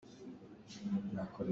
Ralkap nih khua pakhat an nam.